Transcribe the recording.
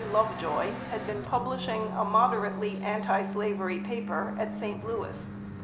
Lovejoy had been publishing a moderately antislavery paper at St. Louis.